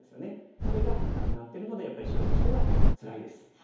それがなくなってるのでやっぱり白としてはつらいです。